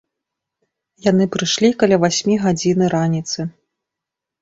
Яны прышлі каля васьмі гадзіны раніцы.